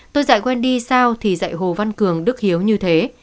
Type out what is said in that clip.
tôi dạy wendy sao thì dạy hồ văn cường đức hiếu như thế